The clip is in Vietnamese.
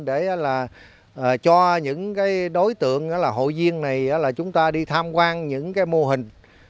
để là cho những cái đối tượng là hội viên này là chúng ta đi tham quan những cái mô hình